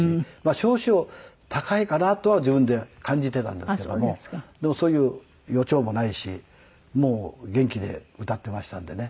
少々高いかなとは自分で感じていたんですけどもでもそういう予兆もないしもう元気で歌っていましたんでね。